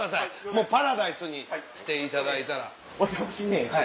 もうパラダイスに来ていただいたら。